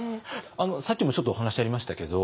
さっきもちょっとお話ありましたけど